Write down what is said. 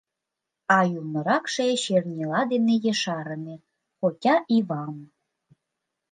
А ӱлныракше чернила дене ешарыме: «хотя и вам».